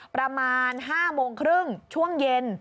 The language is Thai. ประมาณ๕โมงครึ่งช่วงเย็น